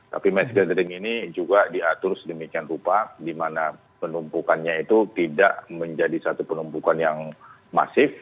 tapi mass gathering ini juga diatur sedemikian rupa di mana penumpukannya itu tidak menjadi satu penumpukan yang masif